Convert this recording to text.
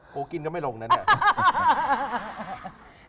กูกินก็ไม่ลงนะเนี่ย